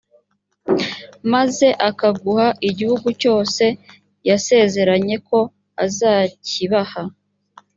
maze akaguha igihugu cyose yasezeranye ko azakibaha